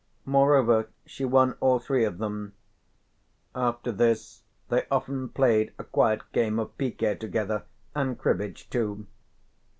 Moreover she won all three of them. After this they often played a quiet game of piquet together, and cribbage too.